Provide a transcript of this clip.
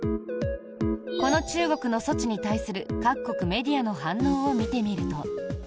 この中国の措置に対する各国メディアの反応を見てみると。